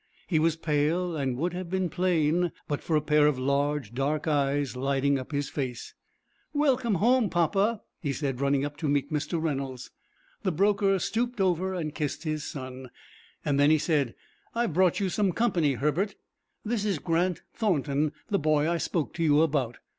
He was pale, and would have been plain, but for a pair of large, dark eyes, lighting up his face. "Welcome home, papa," he said, running up to meet Mr. Reynolds. The broker stooped over and kissed his son. Then he said: "I have brought you some company, Herbert. This is Grant Thornton, the boy I spoke to you about."